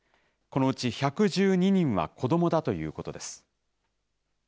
このうち１１２人は子どもだということです。